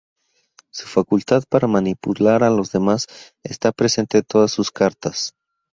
Su facultad para manipular a los demás está presente en todas sus cartas.